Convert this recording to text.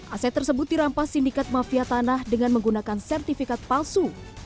aset tersebut dirampas sindikat mafia tanah dengan menggunakan sertifikat palsu